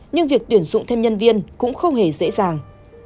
nhưng việc tuyển dụng thêm nhân viên cũng không hề dễ dàng